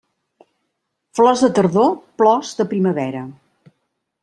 Flors de tardor, plors de primavera.